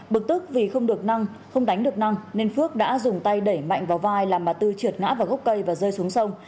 bực tức vì không đánh được năng nên phước đã dùng tay đẩy mạnh vào vai làm bà tư trượt ngã vào gốc cây và rơi xuống sông